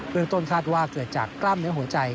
เรื่องต้นคาดว่าเกิดจากกล้ามเนื้อหัวใจ